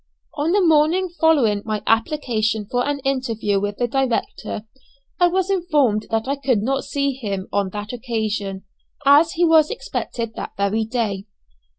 On the morning following my application for an interview with the director, I was informed that I could not see him on that occasion, as he was expected that very day.